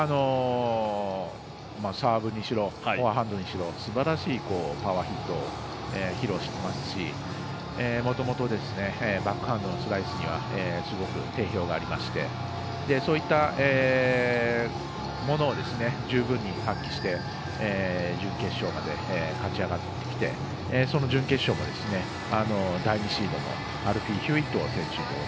サーブにしろフォアハンドにしろすばらしいパワーヒットを披露しますし、もともとバックハンドのスライスにはすごく定評がありましてそういったものを十分に発揮して準決勝まで勝ち上がってきてその準決勝も第２シードのアルフィー・ヒューウェット選手